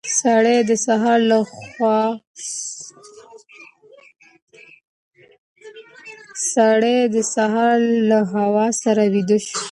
سړی د سهار له هوا سره ویده شو.